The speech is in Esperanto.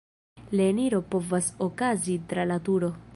La eniro povas okazi tra la turo.